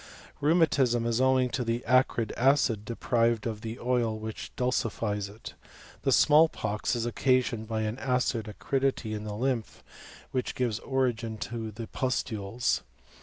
Rheumatism is owing to the acrid acid, deprived of the oil which dulcifies it. The smallpox is occasioned by an acid acridity in the lymph, which gives origin to the pustules.